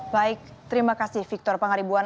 baik terima kasih victor pangaribuan